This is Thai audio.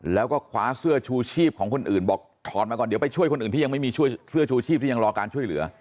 แล้วก็คว้าเสื้อชูชีพของคนอื่นบอกถอนมาก่อนเดี๋ยวไปช่วยคนอื่นที่ยังไม่มีเสื้อชูชีพที่ยังรอการช่วยเหลือ